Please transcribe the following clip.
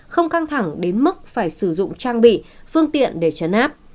không căng thẳng đến mức phải sử dụng trang bị phương tiện để chấn áp